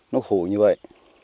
nó khổ như vậy